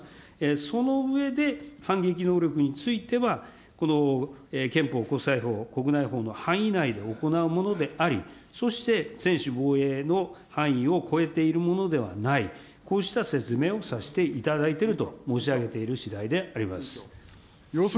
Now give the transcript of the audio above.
その上で、反撃能力については、この憲法、国際法、国内法の範囲内で行うものであり、そして専守防衛の範囲を超えているものではない、こうした説明をさせていただいていると申し上げているしだいであります。